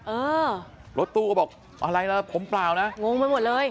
เออรถตู้ก็บอกอะไรล่ะผมเปล่านะงงไปหมดเลย